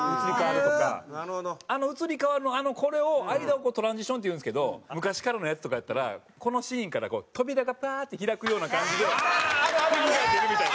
あの移り変わりのこれを間をトランジションっていうんですけど昔からのやつとかやったらこのシーンから扉がパーッて開くような感じで次が出るみたいな。